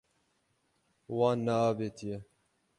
Wan neavêtiye.